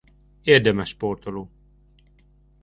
Érdemes Sportoló.